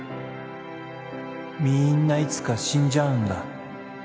みんないつか死んじゃうんだ。